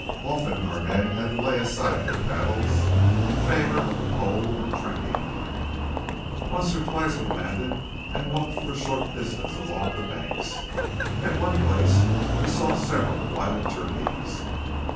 Often our men had to lay aside their paddles in favour of the pole or tracking line. Once or twice we landed and walked for a short distance along the banks. At one place we saw several wild turkeys.